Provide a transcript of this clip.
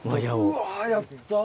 うわやった！